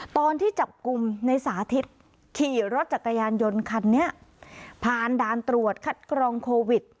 ตอนที่จับกลุ่มในสาธิตขี่รถจักรยานยนต์คันนี้ผ่านด่านตรวจคัดกรองโควิด